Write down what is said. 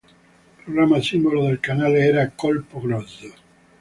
Programma simbolo del canale era "Colpo grosso".